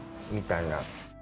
みたいな。